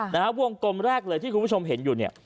นะฮะวงกลมแรกเลยที่คุณผู้ชมเห็นอยู่เนี่ย